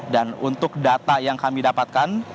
dan untuk data yang kami dapatkan